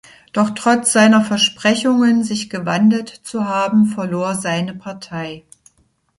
Doch trotz seiner Versprechungen, sich gewandelt zu haben, verlor seine Partei.